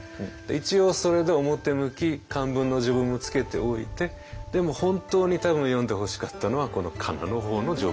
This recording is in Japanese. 一応それで表向き漢文の序文もつけておいてでも本当に多分読んでほしかったのはこのかなの方の序文だと。